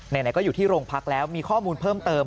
ไหนก็อยู่ที่โรงพักแล้วมีข้อมูลเพิ่มเติม